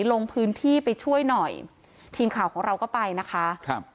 ลงพื้นที่ไปช่วยหน่อยทีมข่าวของเราก็ไปนะคะครับ